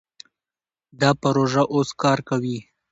دا پروژه اوس کار کوي.